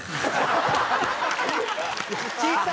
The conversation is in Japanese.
小さい。